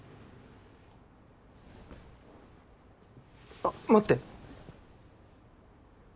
あっ待って！